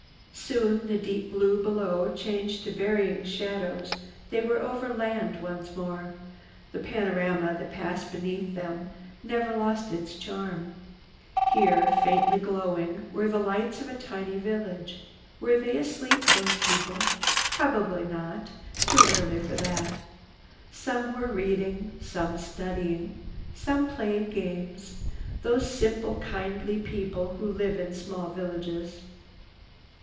Soon the deep blue below changed to varying shadows. They were over land once more. The panorama that passed beneath them never lost its charm. Here, faintly glowing, were the lights of a tiny village. Were they asleep, those people? Probably not. Too early for that. Some were reading, some studying, some playing games, those simple kindly people who live in small villages.